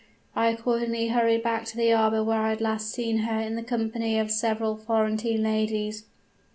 I accordingly hurried back to the arbor where I had last seen her in the company of several Florentine ladies.